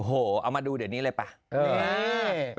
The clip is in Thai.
เฮ้อเอามาดูเดี๋ยวนี้ล่ะป่ะ